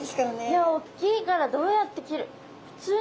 いやおっきいからどうやって切る。